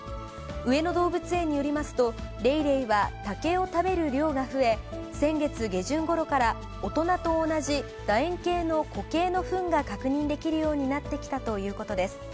上野動物園によりますと、レイレイは竹を食べる量が増え、先月下旬ごろから大人と同じだ円型の固形のふんが確認できるようになってきたということです。